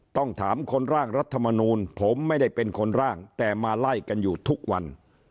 ต้องถามคนร่างรัฐมนูลผมไม่ได้เป็นคนร่างแต่มาไล่กันอยู่ทุกวัน